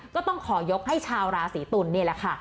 ก็ต้องขอยกให้ชาวราศีตุลนี่แหละค่ะ